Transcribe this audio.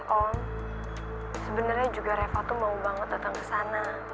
om sebenernya reva tuh mau banget datang ke sana